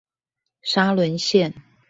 沙崙線